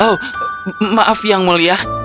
oh maaf yang mulia